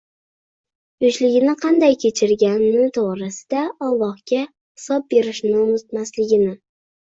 Yoshligini qanday kechirgani to'g'risida Allohga hisob berishini unutmasligini